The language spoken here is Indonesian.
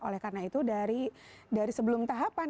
oleh karena itu dari sebelum tahapan